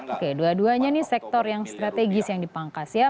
oke dua duanya ini sektor yang strategis yang dipangkas ya